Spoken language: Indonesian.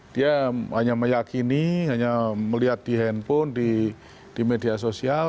dia hanya meyakini hanya melihat di handphone di media sosial